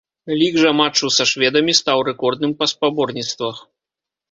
Лік жа матчу са шведамі стаў рэкордным на спаборніцтвах.